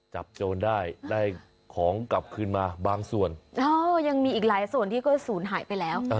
โจรได้ได้ของกลับคืนมาบางส่วนยังมีอีกหลายส่วนที่ก็ศูนย์หายไปแล้ว